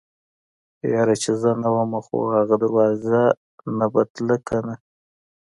يره چې زه نه ومه خو اغه دروازې نه به تله کنه.